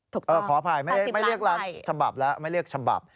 ถูกต้อง๘๐ล้านใบขออภัยไม่เรียกฉบับแล้วไม่เรียกฉบับ